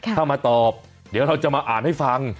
ถ้ามาตอบเดี๋ยวเราจะมาอ่านให้ฟัง